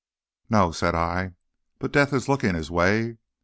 "No," said I, "but death is looking his way.